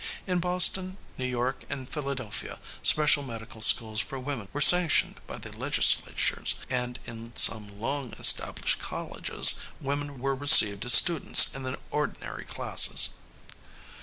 In Boston, New York and Philadelphia special medical schools for women were sanctioned by the legislatures, and in some long established colleges women were received as students in the ordinary classes."